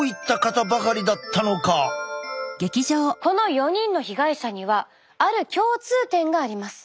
この４人の被害者にはある共通点があります。